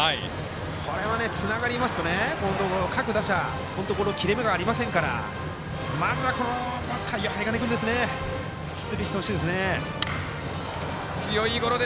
これは、つながりますと各打者、本当に切れ目がありませんからまずは針金君ですね出塁してほしいですね。